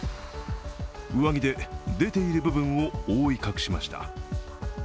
上着で出ている部分を覆い隠しました。